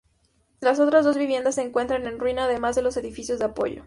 Las otras dos viviendas se encuentran en ruina, además de los edificios de apoyo.